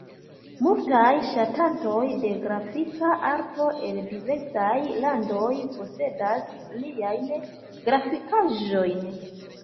Multaj ŝatantoj de grafika arto el diversaj landoj posedas liajn grafikaĵojn.